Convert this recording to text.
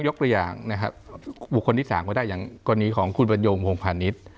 ผมยกตัวอย่างนะครับบุคคลที่สามว่าได้อย่างตัวนี้ของคุณบรรยงพลพนิษฐ์